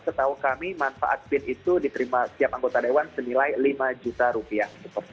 setahu kami manfaat pin itu diterima setiap anggota dewan senilai lima juta rupiah